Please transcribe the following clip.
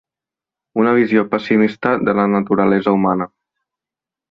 Una visió pessimista de la naturalesa humana.